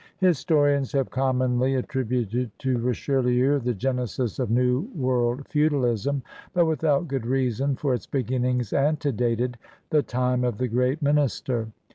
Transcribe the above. His torians have commonly attributed to Richelieu the genesis of New World feudalism, but without good reason, for its beginnings antedated the time of the great minister.